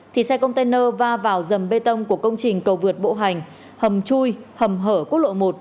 thì xe container va vào dầm bê tông của công trình cầu vượt bộ hành hầm chui hầm hở quốc lộ một